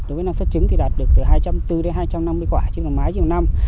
đối với năng suất trứng thì đạt được từ hai trăm linh bốn đến hai trăm năm mươi quả trên một mái trên năm